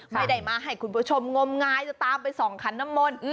ไม่ได้มาให้คุณผู้ชมงมงายจะตามไปส่องขันน้ำมนต์